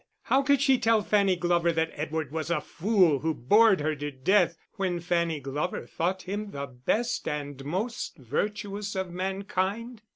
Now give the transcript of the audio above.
How could she tell Fanny Glover that Edward was a fool who bored her to death, when Fanny Glover thought him the best and most virtuous of mankind?